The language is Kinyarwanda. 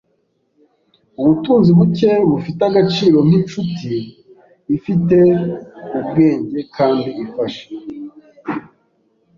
Ubutunzi buke bufite agaciro nkinshuti ifite ubwenge kandi ifasha.